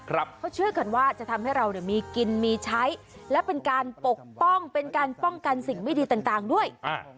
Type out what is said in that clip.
เขาเชื่อกันว่าจะทำให้เรามีกินมีใช้และเป็นการปกป้องเป็นการป้องกันสิ่งไม่ดีต่างด้วย